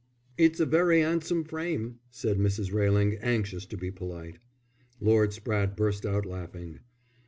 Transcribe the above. "It's a very 'andsome frame," said Mrs. Railing, anxious to be polite. Lord Spratte burst out laughing.